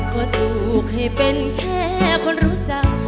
ก็ถูกให้เป็นแค่คนรู้จัก